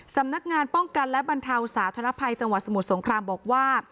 สำนักงานป้องกันและบรรเทาสาธารณภัยจังหวัดสมุทรสงครามบอกว่า